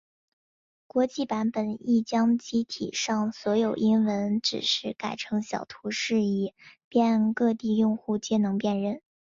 国际版本亦将机体上所有英文指示改成小图示以便各地用户皆能辨认。